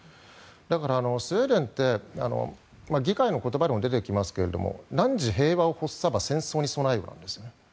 だからスウェーデンって議会の言葉でも出てきますが汝平和を欲さば戦争に備えよなんですよね。